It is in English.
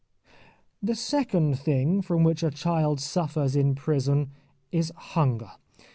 The second thing from which a child suffers in prison is hunger.